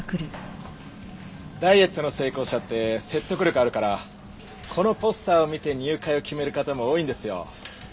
ダイエットの成功者って説得力あるからこのポスターを見て入会を決める方も多いんですよ。